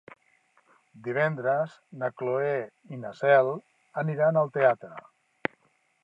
Divendres na Cloè i na Cel aniran al teatre.